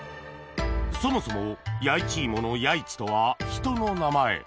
そもそも弥一芋の「弥一」とは人の名前